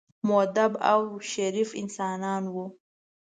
مودب او شریف انسانان وو.